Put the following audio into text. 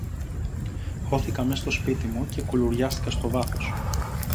Χώθηκα μες στο σπίτι μου και κουλουριάστηκα στο βάθος